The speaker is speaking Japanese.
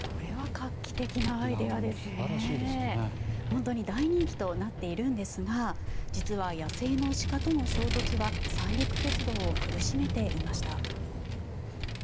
本当に大人気となっているんですが実は野生の鹿との衝突は三陸鉄道を苦しめていました。